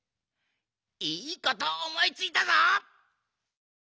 いいことおもいついたぞ！